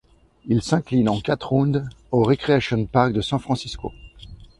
Il s'incline en quatre rounds au Recreation Park de San Francisco.